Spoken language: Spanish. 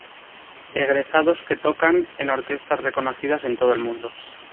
Egresados que tocan en orquestas reconocidas en todo el mundo.